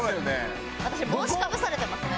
私帽子かぶされてますね。